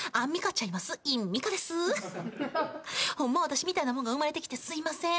私みたいなもんが生まれてきてすいません。